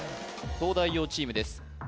東大王チームです